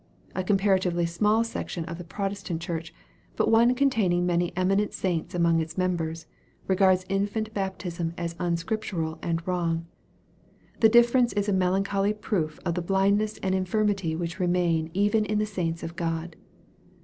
A comparatively small section of the Protestant Church, but one containing many eminent saints among its members, regards infant baptism as unscriptural and wrong. The difference is a melancholy proof of the blindness and infirmity which remain even in the saints of God.